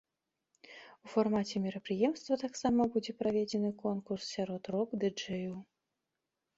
У фармаце мерапрыемства таксама будзе праведзены конкурс сярод рок-дыджэяў.